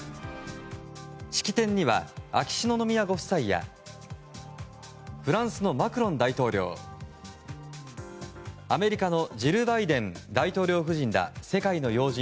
式典には秋篠宮ご夫妻やフランスのマクロン大統領アメリカのジル・バイデン大統領夫人ら世界の要人